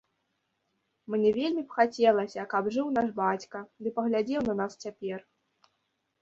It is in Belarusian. Мне вельмі б хацелася, каб жыў наш бацька ды паглядзеў на нас цяпер.